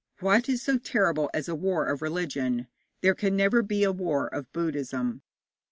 What is so terrible as a war of religion? There can never be a war of Buddhism.